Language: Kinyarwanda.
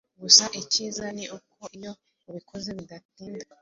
gusa icyiza ni uko iyo ubikoze bidatinda